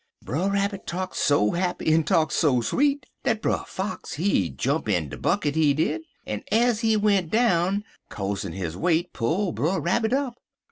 "Brer Rabbit talk so happy en talk so sweet dat Brer Fox he jump in de bucket, he did, en, ez he went down, co'se his weight pull Brer Rabbit up.